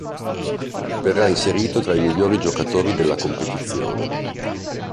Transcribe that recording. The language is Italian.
Verrà inserito fra i migliori giocatori della competizione.